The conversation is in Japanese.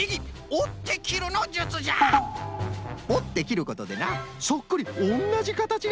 おってきることでなそっくりおんなじかたちができるんじゃよ。